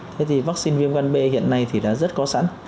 thế thì vaccine viêm gan b hiện nay thì đã rất có sẵn